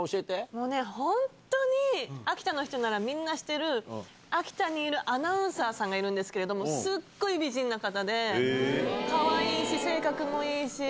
もうね、本当に秋田の人ならみんな知ってる、秋田にいるアナウンサーさんがいるんですけれども、すっごい美人な方で、かわいいし性格もいいし。